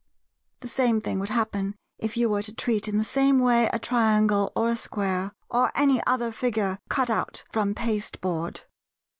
The same thing would happen if you were to treat in the same way a Triangle, or a Square, or any other figure cut out from pasteboard.